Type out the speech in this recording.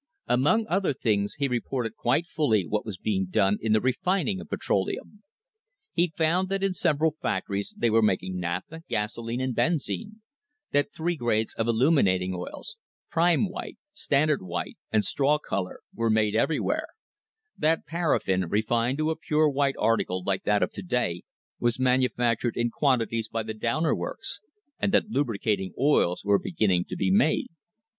Among other things, he reported PRODUCTS OBTAINED FROM THE DISTILLATION OF CRUDE OIL IN A REFINERY. quite fully what was being done in the refining of petroleum. He found that in several factories they were making naphtha, gasoline and benzine; that three grades of illuminating oils "prime white," "standard white" and "straw colour" were made everywhere; that paraffine, refined to a pure white article like that of to day, was manufactured in quantities by the Downer works ; and that lubricating oils were beginning to be made.